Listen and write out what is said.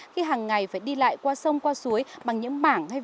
khi hằng ngày phải đi lại qua sông qua suối bằng những bảng hay ván thuyền